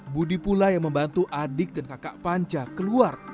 budi pula yang membantu adik dan kakak panca keluar